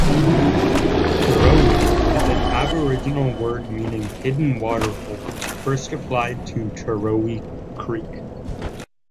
"Terowie" is an aboriginal word meaning "hidden waterhole", first applied to Terowie Creek.